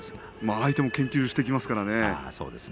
相手も研究してきますからね。